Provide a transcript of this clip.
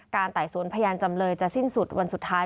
ไต่สวนพยานจำเลยจะสิ้นสุดวันสุดท้าย